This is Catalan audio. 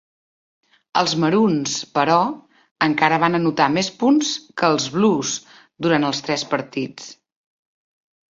Els Maroons, però, encara van anotar més punts que els Blues durant els tres partits.